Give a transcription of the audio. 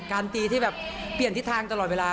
ตีที่แบบเปลี่ยนทิศทางตลอดเวลา